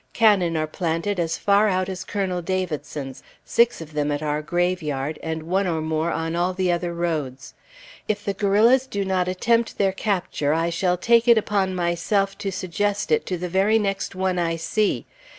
Cannon are planted as far out as Colonel Davidson's, six of them at our graveyard, and one or more on all the other roads. If the guerrillas do not attempt their capture, I shall take it upon myself to suggest it to the very next one I see.